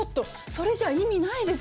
それじゃ意味ないですよ。